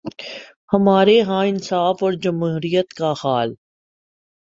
ہمارے ہاں انصاف اور جمہوریت کا حال۔